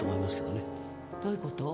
どういう事？